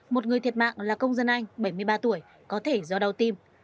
một người thiệt mạng là công dân anh bảy mươi ba tuổi có thể do đau tim